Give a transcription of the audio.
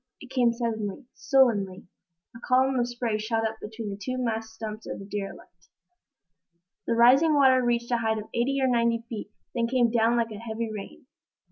It came suddenly, sullenly. A column of spray shot up between the two mast stumps of the derelict. The rising water reached a height of eighty or ninety feet, then came down again like a heavy rain.